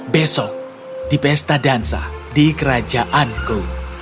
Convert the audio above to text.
besok di pesta dansa di kerajaanku